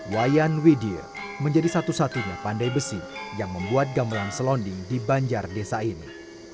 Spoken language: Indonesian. wayan widier menjadi satu satunya pandai besi yang membuat gamelan selonding di banjar desa ini